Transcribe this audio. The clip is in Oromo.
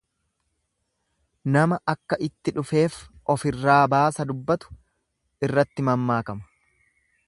Nama akka itti dhufeef ofirraa baasa dubbatu irratti mammaakama.